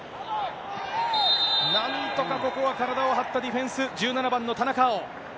なんとかここは体を張ったディフェンス、１７番の田中碧。